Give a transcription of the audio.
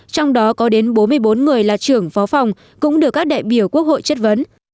trong đó có đến bốn mươi bốn người là trưởng phó phòng cũng được các đại biểu quốc hội chất vấn